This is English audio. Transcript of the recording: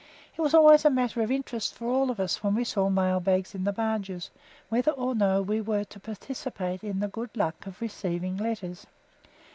It was always a matter of interest for all of us when we saw mail bags in the barges, whether or no we were to participate in the good luck of receiving letters.